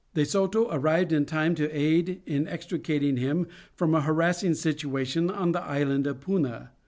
De Soto arrived in time to aid in extricating him from a harassing situation on the island of Puna.